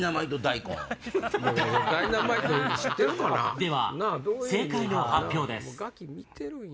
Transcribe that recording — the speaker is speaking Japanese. では正解の発表です。